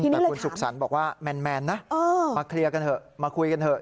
แต่คุณสุขสรรค์บอกว่าแมนนะมาเคลียร์กันเถอะมาคุยกันเถอะ